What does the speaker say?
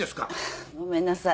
ごめんなさい。